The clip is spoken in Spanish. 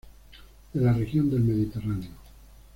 De la región del Mediterráneo.